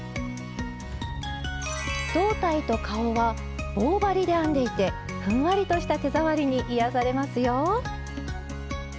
胴体と顔は棒針で編んでいてふんわりとした手触りに癒やされますよ。